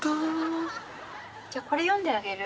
じゃあこれ読んであげる。